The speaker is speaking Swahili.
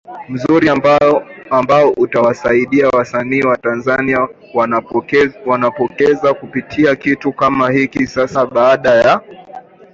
mzuri ambao utawasaidia wasanii wa Tanzania wanapowekeza kupitia kitu kama hiki Sasa baada ya